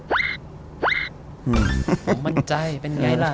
ผมมั่นใจเป็นไงล่ะ